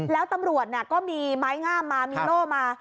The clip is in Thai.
แล้วตำรวจก็มีไม้งามมามีโล่มา